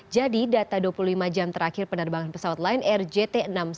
jadi data dua puluh lima jam terakhir penerbangan pesawat lain rjt enam ratus sepuluh